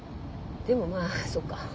でもまあそうか。